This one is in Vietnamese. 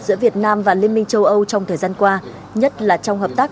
giữa việt nam và liên minh châu âu trong thời gian qua nhất là trong hợp tác